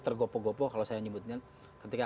tergopo gopo kalau saya nyebutkan ketika